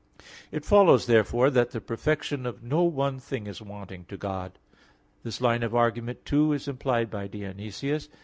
It follows therefore that the perfection of no one thing is wanting to God. This line of argument, too, is implied by Dionysius (Div.